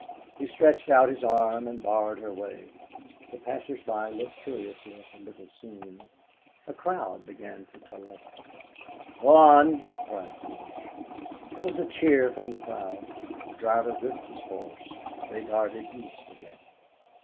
He stretched out his arm and barred her way. The passers by looked curiously at the little scene. A crowd began to collect. "Go on!" cried George. There was a cheer from the crowd; the driver whipped his horse; they darted East again.